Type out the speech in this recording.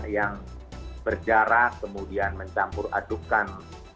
yang berjarak kemudian mencampur adukan